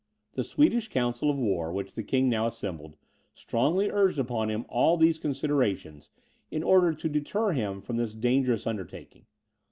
The Swedish council of war, which the king now assembled, strongly urged upon him all these considerations, in order to deter him from this dangerous undertaking.